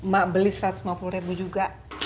mak beli rp satu ratus lima puluh ribu juga